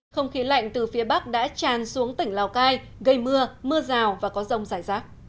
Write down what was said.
không khí lạnh từ phía bắc đã tràn xuống tỉnh lào cai gây mưa mưa rào và có rông rải rác